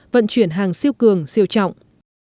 vận chuyển hàng siêu cường siêu trọng